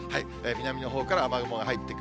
南のほうから雨雲が入ってくる。